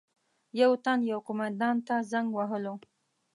یو تن یو قومندان ته زنګ وهلو.